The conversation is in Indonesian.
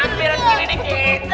ambil kiri dikit